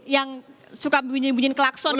yang suka bunyi bunyiin klakson